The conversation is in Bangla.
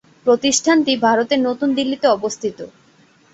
প্রতিষ্ঠানটি ভারতের নতুন দিল্লিতে অবস্থিত।